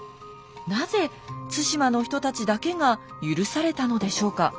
なぜ対馬の人たちだけが許されたのでしょうか。